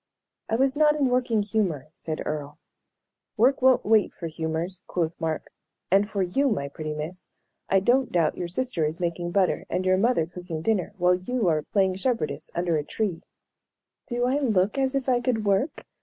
"I was not in working humor," said Earle. "Work won't wait for humors," quoth Mark. "And for you, my pretty miss, I don't doubt your sister is making butter and your mother cooking dinner, while you are playing shepherdess under a tree." "Do I look as if I could work?"